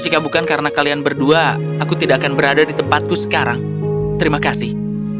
jika bukan karena kalian berdua aku tidak akan berada di tempatku sekarang terima kasih